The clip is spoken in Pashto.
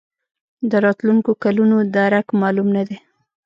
د راتلونکو کلونو درک معلوم نه دی.